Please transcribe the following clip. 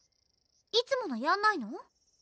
いつものやんないの？